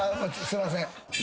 すいません。